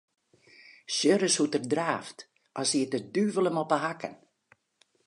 Sjoch ris hoe't er draaft, as siet de duvel him op 'e hakken.